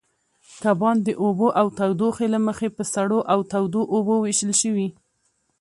کبان د اوبو تودوخې له مخې په سړو او تودو اوبو وېشل شوي.